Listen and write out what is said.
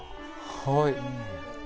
はい。